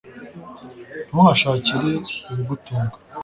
ntuhashakire ibigutunga